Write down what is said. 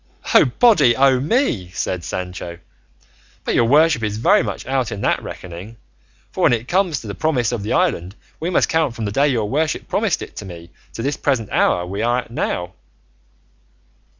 "O body o' me!" said Sancho, "but your worship is very much out in that reckoning; for when it comes to the promise of the island we must count from the day your worship promised it to me to this present hour we are at now."